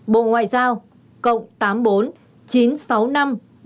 bộ ngoại giao cộng tám mươi bốn chín trăm sáu mươi năm bốn trăm một mươi một một trăm một mươi tám